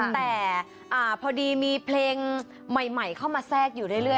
แต่พอดีมีเพลงใหม่เข้ามาแทรกอยู่เรื่อย